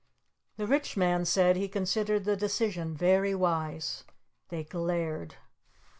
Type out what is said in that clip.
The Rich Man said he considered the decision very wise. They glared.